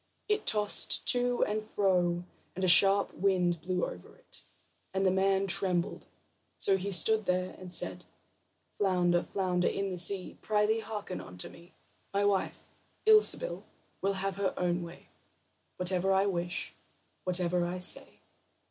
It tossed to and fro, and a sharp wind blew over it, and the man trembled. So he stood there, and said: "Flounder, flounder in the sea, Prythee, hearken unto me: My wife, Ilsebil, will have her own way Whatever I wish, whatever I say."